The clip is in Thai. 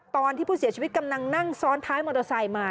ตอนที่ผู้เสียชีวิตกำลังนั่งซ้อนท้ายมอเตอร์ไซค์มา